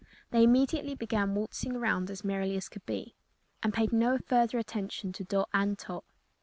They immediately began waltzing around as merrily as could be, and paid no further attention to Dot and Tot.